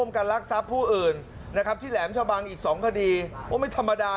มาตอนต้นนั้นน่ะว่าตามจับแฮมได้นะคะ